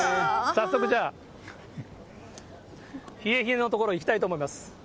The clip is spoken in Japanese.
早速じゃあ、冷え冷えのところ、いきたいと思います。